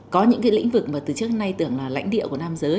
có những cái lĩnh vực mà từ trước đến nay tưởng là lãnh địa